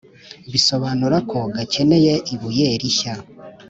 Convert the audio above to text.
Bisobunura ko gakeneye ibuye rishya